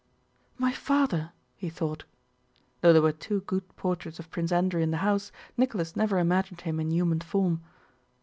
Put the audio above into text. "My father!" he thought. (Though there were two good portraits of Prince Andrew in the house, Nicholas never imagined him in human form.)